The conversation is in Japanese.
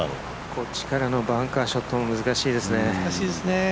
こっちからのバンカーショットも難しいですね。